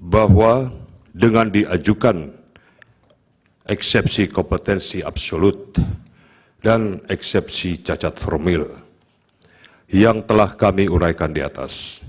bahwa dengan diajukan eksepsi kompetensi absolut dan eksepsi cacat formil yang telah kami uraikan di atas